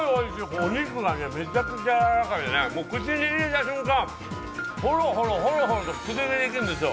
お肉がめちゃくちゃやわらかくて、口に入れた瞬間、ほろほろと崩れてくるんですよ。